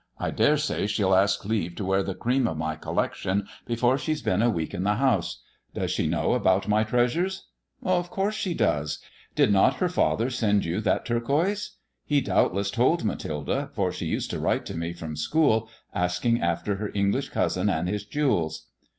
I dare say she'll ask leave to wear the cream of my collection before she's been a week in the house. Does she know about my treasures 1 "Of course she does. Did not her father send you that turquoise] He doubtless told Mathilde, for she used to write to me from school asking after her English cousin and his jewels."